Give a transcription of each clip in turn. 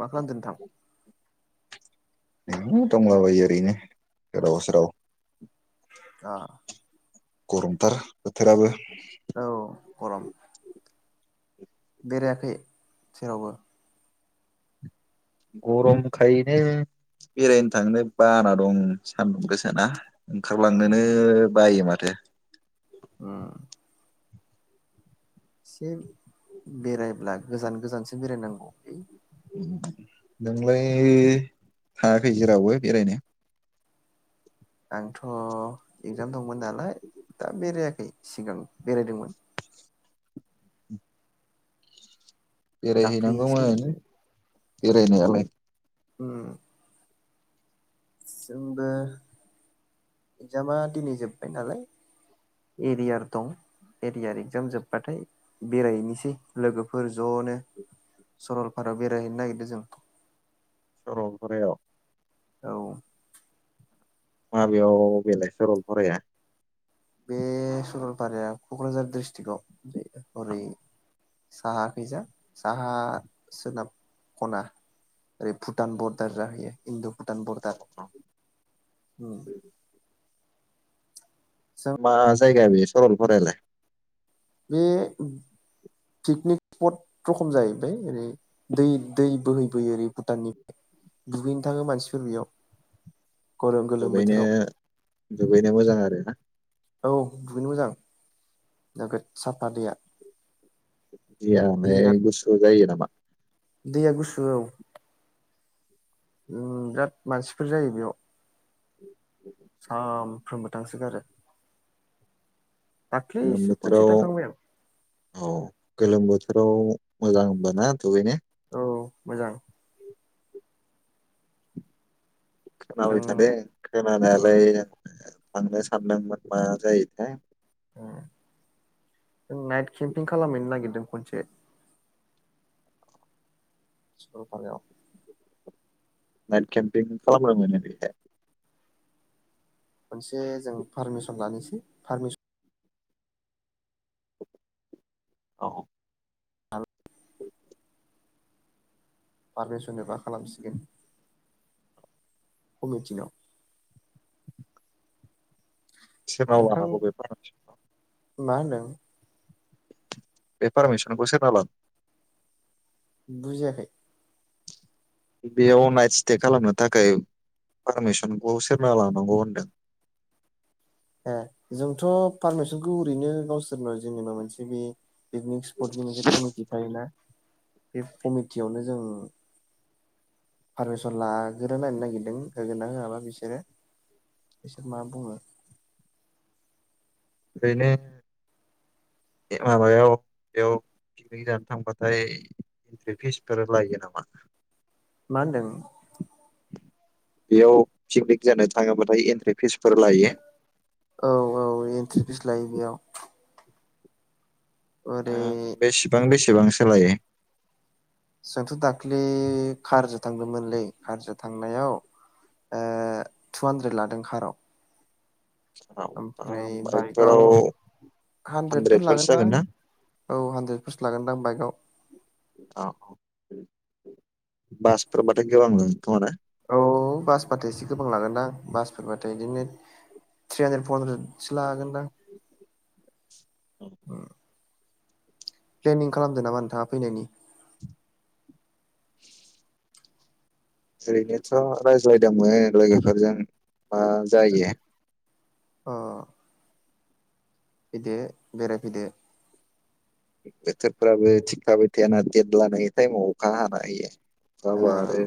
मा खालामदों नोंथां? नै दंलाबायो ओरैनो गोदाव सोराव। आ। गरमथार बोथोराबो। औ। गरम। बेरायाखै जेरावबो? गरमखायनो बेरायनो थांनो बारा दं सानदुं गोसोना ओंखारलांनोनो बायोमार। थो। उम। एसे बेरायब्ला गोजान गोजानसो बेरायनांगौलै। नोंलाय थांयाखै जेरावबो बेरायनो? आंथ एगजाम दं मोनालाय दा बेरायाखै सिगां बेरायदोंमोन। दाख्लैसो बेरायहैनांगौमोन। बेरायनायालाय। उम। जोंबो इक्जामा दिनै जोब्बाय नालाय एरियार दं एरियार इक्जाम जोब्बाथाय बेरायहैनोसै लोगोफोर जनो सरलपारायाव बेरायहैनो नागिरदों जों। सरलफारायाव? औ। माबेयाव बेलाय सरलफाराया? बे सरलफाराया कक्राझार डिस्ट्रिक्टआव बे ओरै साहाखैजा साहा सोनाब खना ओरै भुटान बरदार जाहैयो इन्द भुटान बरदार। मा जायगा बेयो सरलपारायालाय? बे पिकनिक स्पट रखम जाहैबाय ओरै दै दै बोहै बोयो ओरै भुटाननिफ्राय दुगैनो थाङो मानसिफोर बेयाव गरम गोलोम दुगैनो बोथोराव दुगैनो मोजां आरो ना? औ दुगैनो मोजां नोगोद साफा दैया दैया बिराद ओमफ्राय गुसु जायो नामा? दैया गुसु औ। उम बिराद मानसिफोर जायो बेयाव सानफ्रोमबो थांसो गारो। गोलोम बोथोराव औ गोलोम बोथोराव मोजां होमबा ना दुगैनो? औ मोजां। जों खोनाबाय थादों खोनानायालाय [unintelligible] थांनो सानदोंमोन मा जायोथाय। उज्ञ जों नाइट केम्पिं खालामहैनो नागिरदों खनसे। सलपारायाव। नाइट केम्पिं खालामनो मोनो बेहाय। मोनसे जों पारमिसन लानिसै पारमिस औ। [inaudible] पारमिसन एबा खालामसिगोन। खमिथिनाव। सोरनाव नोंथां लानांगौ बे फारमिसनखौ मा होनदों? बे पारमिसनखौ सोरनाव लाद बुजियाखै। बेयाव नाइट स्टे खालामनो थाखाय पारमिसनखौ सोरनाव लांनांगौ होनदों। ए जोंथ पारमिसनखौ ओरैनो नस सोरबा जेनेबा मोनसे बे पिकनिक स्पटनि मोनसे कमिटि थायोना। बे कमिटियावनो जों पारमिसन लाग्रोनायनो नागिरदों, होगोना होआबा बिसोरो बिसोर मा बुङो। ओरैनो ए माबायाव बेयाव पिकनिक जानो थांबाथाय इन्ट्रि फिसफोर लायो नामा? मा होनदों? बेयाव पिकनिक जानो थाङोबाथाय एन्ट्रि फिसफोर लायो। औ औ एन्ट्रि फिस लायो बेयाव। ओरै ओह बेसेबां बेसे बेसेबांसो लायो? जोंथ' दाख्लि कारजों थांदोंमोनलै कारजों थांनायाव ओ टु हान्द्रेद लादों काराव। ओमफ्राय बाइकआव बाइकफोराव हानद्रेदफोर हानद्रेदफोरसो लागोनदां जागोन ना औ हानद्रेदफोरसो लागोनदां बाइकआव। औ औ बासफोरबाथाय गोबां मोनो खोमा ने? औ बासबाथाय एसे गोबां लागोनदां बासफोरबाथाय बिदिनो थ्रि हानद्रेद फर हानद्रेदसो लागोनदां। उम। प्लेनिं खालामदों नामा नोंथाङा फैनायनि। [inaudible] ओरैनोथ रायज्लायदोंमोन लोगोफोरजों। मा जायो। अह। फैदो बेरायफैदो। बोथोरफ्राबो थिग थाबाय थायाना देट लानायनि टाइमाव अखा हाना होयो। अखा ओ हाबा आरो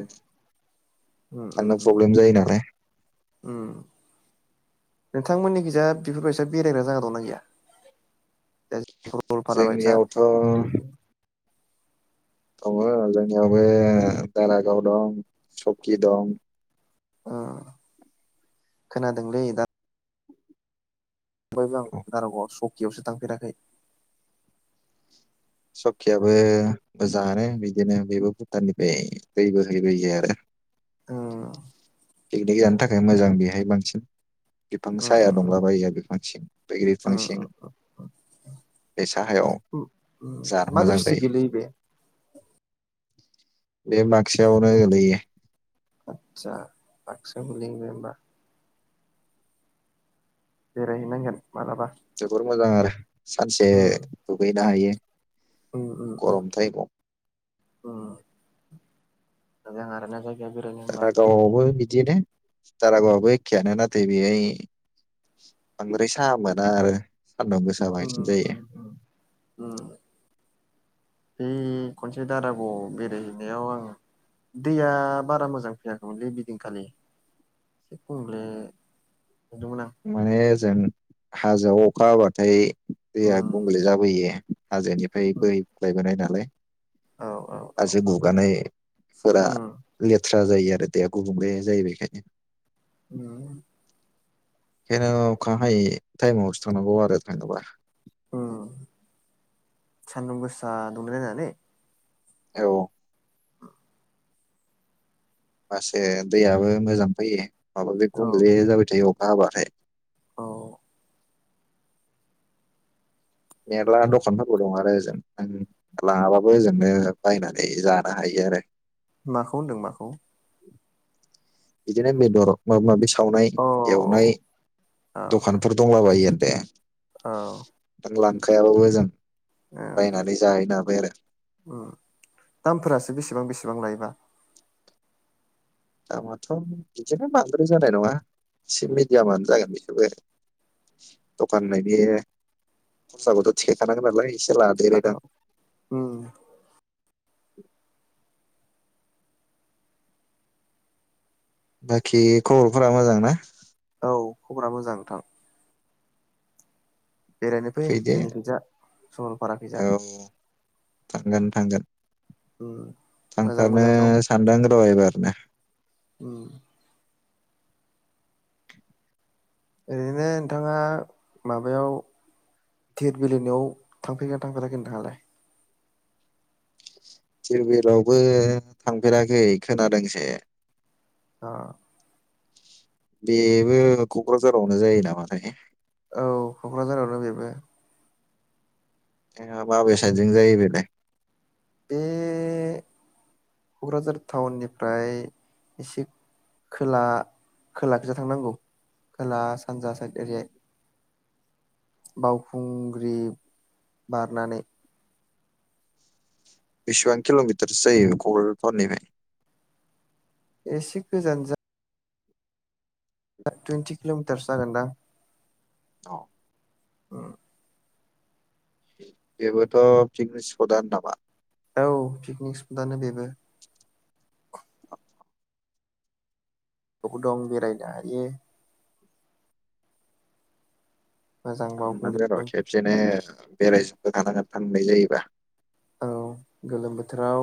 उम उम थांनो उम प्रब्लेम जायो नालाय। उम नोंथांमोननि खिजा बेफोरबायसा बेरायग्रा जायगा दंना गैया दा सरलफारा बायसा। जोंनियावथ' दङ जोंनियाव बे दारागाव दं चकि दं। ओ खोनादोंलै दा ओमफाय जों गारागावआव सक बेयावसो थांफेराखै। सखियाबो मोजाङानो बिदिनो बेबो भुटाननिफ्राय दै बो हैैबोयो आरो। उम पिकनिक थाखाय मोजां बेहाय बांसिन बिफां उम साया उम दंलाबायो बिफां सिं बै बिफां उम सिं उम बे साहायाव उम जा मा मोजां द्रिसथिक जायो गोलैयो बे? बे बाक्सायावनो गोलैयो। आतसा बाक्सायाव गोलैयो होनबा। बेरायहैनांगोन। मालाबा जोबोर मोजां आरो सानसे उम दुगैनो हायो। उम उम उम गरम टाइमाव उम मोजां आरो ना जा दारागावावबो बिदिनो दारागावाबो एखेयानो नाथाय बेहाय बांद्राय साहा मोना आरो। सान्दुं गोसा उम बांसिन जायो उम उम उम खनसे दारागावआव बेरायहैनायाव आं दैया बारा मोजां फैयाखैमोनलै बेदिनखालि गुबुंले नुदोंमोन आं माने जों हाजोआव अखा हाब्लाथाय दैया उम गुबुंंले जाबोयो। हाजोनिफ्राय उम बोहैबोनाय नालाय औ औ औ हाजो गुगानायफोरा उम लेथ्रा जायो आरो दैया गुबुंले जायो आरो बेखायनो। उम बेंखायनो अखा हायै टाइमावसो थांनांगौ आरो थांनोबा उम सान्दुं गोसा दुंनाय नायनानै औ होनबासो दैयाबो मोजां फैयो। माबा बे औ गुबुंले जाबाय थायो औ। अखा हाबाथाय औ मेरला दखानफोरबो दं आरो ओजोंनो लाङाबाबो ओजोंनो बायनानै जानो हायो आरो माखौ होनदों माखौ बेदिनो बेदर माबा माबि सावनाय औ एवनाय औ दखानफोर दंलाबायो आरो। दे औ खायाबो जों बायनानै जाहै नां बेराय उ दामफोरासो बेसेबां बेसेबां लायोबा दामाथ बिदिनो बांद्राय जानाय नङा एसे मिडियामानो जागोन बेखौबो दखान होननायनि खरसाबोथ' थिखोखानांगोन नालाय एसे औ लादेरोदां उम बाखि खबरफोरा मोजां ना औ खबरा मोजां नोंथां बेरायनो फै फैदो जोंनि खैजा सरलपारा खैजा औ थांगोन थांगोन उम मोजां थांथारनो मोजां सानदों र' एबारनो औ ओरैनो नोंथाङा माबायाव दिरबिलहोनायाव थांफेरगोना थांफेराखै नोंथाङालाय? दिरबिलावबो थांफेराखै खोनादोंसो आ बेबो कक्राझारावनो जायो नामाथाय औ कक्राझारावनो बेबो ए माबे साइथजों जायो बेलाय बे कक्राझार थाउननिफ्राय एसे खोला-खोलाखैजा थांनांगौ खोला सानजा साइद एरैहाय बावखुंग्रि बारनानै बिसिबां किलमिटारो जायो ककराजार थावननिफ्राय एसे गोजान जा टुइन्टि किलमिटार्स जागोनदां औ औ बेबोथ पिकनिक स्पटआनो नामा? औ पिकनिक स्प'थदानो बेबो बो दं बेरायनो हायो मोजां थांनांगोन र मावफुंजोबो खेबसे नो बेरायजोबबो खानांगोन थांनाय जायोबा औ गोलोम बोथोराव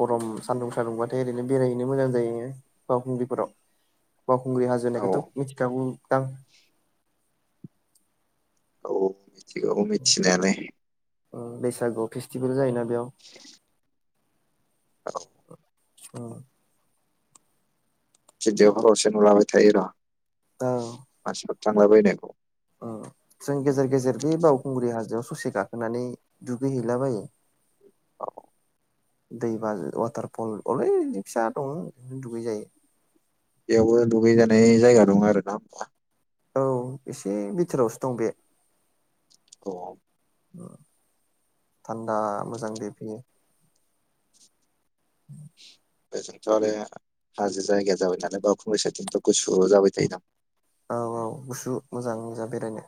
गरम सान्दुं सान्दुं बाथाय ओरैनो बेरायहैनो मोजां जायो बावखुंग्रिफोराव बावखुंग्रि हाजो औ होननायखौथ मिथिखागौ दां औ मिथिगौ मिथिनायालाय बैसागु आव फेस्टिभेल जायोना बेयाव औ [inaudible] ओ [unintelligible] नुलाबाय थायो रा। [unintelligible] थांलाबायनायखौ। ओ जों गेजेर गेजेर बे बावखुंग्रि हाजोआव स'से गाखोनानै दुगैहैलाबायो। औ दै बाज वाटारफल अलैनि फिसा दं दुगै जायो। बेयावबो दुगैजानाय जायगा दं आरोना होमबा औ एसे बिथोरावसो दं बे [unintelligible] थान्दा मोजां दैफैयो। [inaudible] बेजोंथ' आरो हाजो जायगाया जाबाय नालाय बावखुंग्रि साइदजोंथ' गुसु जाबाय थायोदां। औ औ गुसु मोजां मोजां बेरायनो।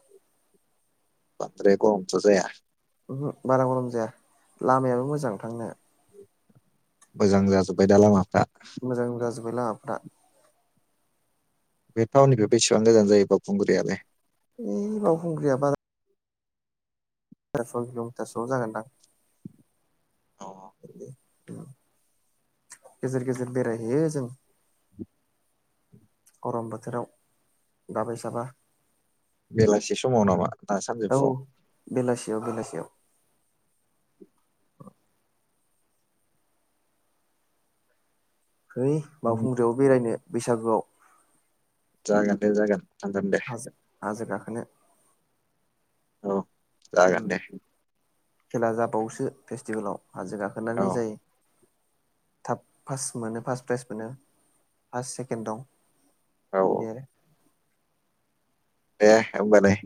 बांन्द्राय गरमथ' जाया। चहुं बारा गरम जाया लामायाबो मोजां थांनो। मोजां जाजोब्बाय दा लामाफ्रा। मोजां जाजोब्बाय लामाफ्रा। बे थावननिफाय बेसेबां गोजान जायो बावखुंग्रिालाय। इ बावखुंग्रिया बारा [unintelligible] किल' मिटारसोआव जागोनदां। अ गेजेर गेजेर बेरायहैयो जों ग'रम बोथोराव दाबाय साबा। बेलासि समाव नामा ना सानजोफुआव? बेयाव बेलासियाव। फै उम, बावखुंग्रियाव बेरायनो बैसागोआव। जागोन दे जागोन। थांगोन दे हाजो हाजो गाखोनो। औ जागोन उम दे खेला जाबावसो फेस्टिभेलाव हाजो औ गाखोनानै जायो। थाब फास्ट मोनो फास्ट प्राइज मोनो फास्ट सेकेन्ड दं। औ [unintelligible] दे होमबालाय।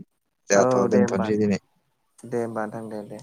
दाथ' आरो औ दे दोनथ' होमबा निसै दिनै दे होमबा नोंथां दे दे